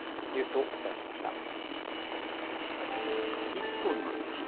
「一本の道」。